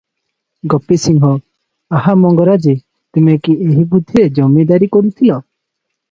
ଗୋପୀ ସିଂହ - "ଆହା ମଙ୍ଗରାଜେ, ତୁମେ କି ଏହି ବୁଦ୍ଧିରେ ଜମିଦାରୀ କରୁଥିଲ?